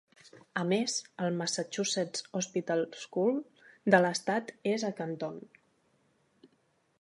A més, el Massachusetts Hospital School de l'estat és a Canton.